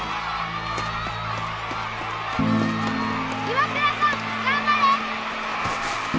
岩倉さん頑張れ！